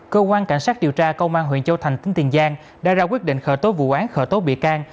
cơ quan cảnh sát điều tra công an huyện châu thành tỉnh tiền giang đã ra quyết định khởi tố vụ án khởi tố bị can